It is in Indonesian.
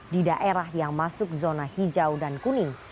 di daerah yang masuk zona hijau dan kuning